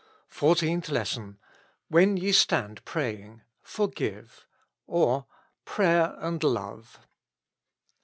109 FOURTEENTH LESSON. '♦When ye stand praying, forgive; or, Prayer and Love.